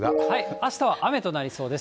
あしたは雨となりそうです。